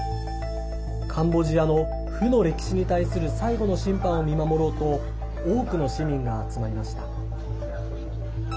カンボジアの、負の歴史に対する最後の審判を見守ろうと多くの市民が集まりました。